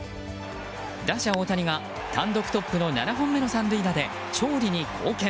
打者・大谷が単独トップの７本目の三塁打で勝利に貢献。